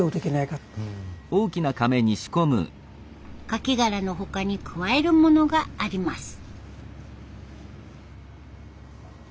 カキ殻の他に加えるものがあります。